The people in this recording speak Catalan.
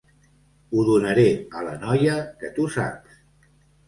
Ho donaré a la noia que tu saps.